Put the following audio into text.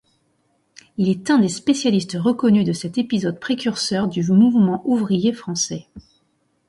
Il est un des spécialistes reconnu de cet épisode précurseur du mouvement ouvrier français.